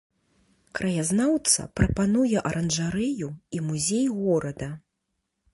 Краязнаўца прапануе аранжарэю і музей горада.